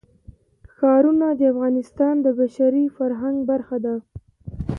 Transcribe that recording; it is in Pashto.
ښارونه د افغانستان د بشري فرهنګ برخه ده.